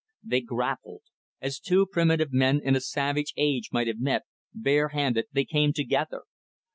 They grappled. As two primitive men in a savage age might have met, bare handed, they came together.